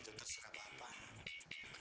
di youtube ada banyak video yang di upload